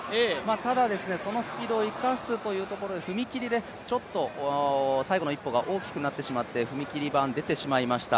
ただ、そのスピードを生かすところで、踏み切りでちょっと最後の一歩が大きくなってしまって踏み切り板出てしまいました。